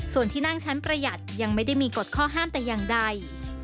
ส่วนที่นั่งชั้นประหยัดยังไม่ได้มีกฎข้อห้ามแต่อย่างใด